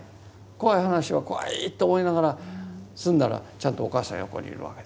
怖い話は怖いと思いながら済んだらちゃんとお母さん横にいるわけですから。